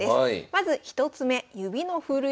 まず１つ目。